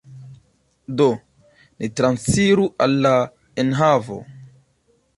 Do, ni transiru al la enhavo.